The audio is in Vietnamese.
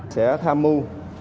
sẽ tham mưu